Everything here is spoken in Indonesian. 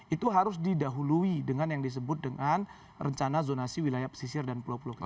itu harus didahului dengan yang disebut dengan rencana zonasi wilayah pesisir dan pulau pulau kecil